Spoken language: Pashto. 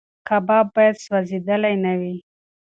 کباب باید سوځېدلی نه وي.